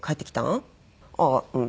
「ああうん。